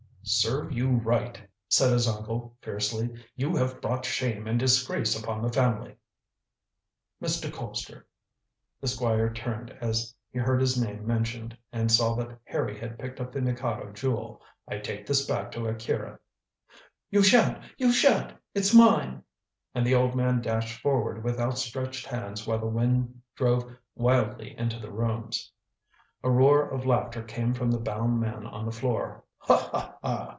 "Serve you right," said his uncle fiercely. "You have brought shame and disgrace upon the family." "Mr. Colpster," the Squire turned as he heard his name mentioned and saw that Harry had picked up the Mikado Jewel, "I take this back to Akira." "You shan't! you shan't! It's mine!" and the old man dashed forward with outstretched hands while the wind drove wildly into the rooms. A roar of laughter came from the bound man on the floor. "Ha! ha! ha!"